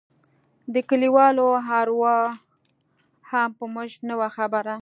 د کليوالو اروا هم په موږ نه وه خبره.